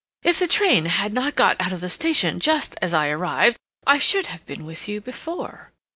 "If the train had not gone out of the station just as I arrived, I should have been with you before.